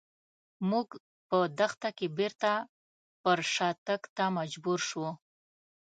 موږ په دښته کې بېرته پر شاتګ ته مجبور شوو.